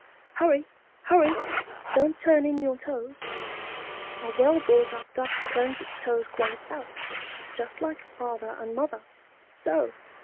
Hurry! hurry! don't turn in your toes, a well brought up duck turns it's toes quite out, just like father and mother, so!